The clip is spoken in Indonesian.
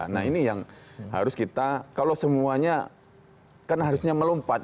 nah ini yang harus kita kalau semuanya kan harusnya melompat